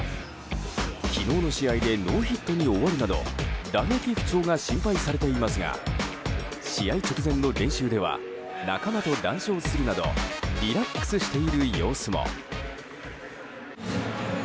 昨日の試合でノーヒットに終わるなど打撃不調が心配されていますが試合直前の練習では仲間と談笑するなどリラックスしている様子も。